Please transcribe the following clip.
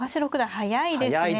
速いですね。